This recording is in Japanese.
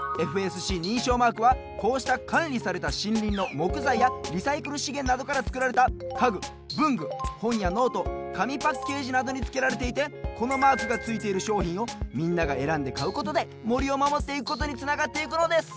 ＦＳＣにんしょうマークはこうしたかんりされたしんりんのもくざいやリサイクルしげんなどからつくられたかぐぶんぐほんやノートかみパッケージなどにつけられていてこのマークがついているしょうひんをみんながえらんでかうことでもりをまもっていくことにつながっていくのです。